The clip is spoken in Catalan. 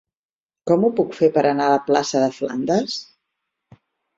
Com ho puc fer per anar a la plaça de Flandes?